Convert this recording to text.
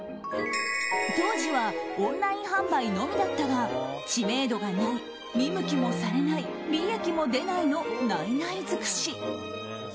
当時はオンライン販売のみだったが知名度がない、見向きもされない利益も出ないの、ないない尽くし。